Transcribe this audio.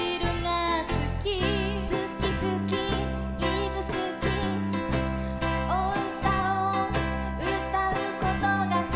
「すきすきいぶすき」「おうたをうたうことがすき」